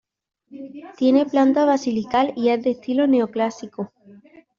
Tiene planta basilical y es de estilo neoclásico.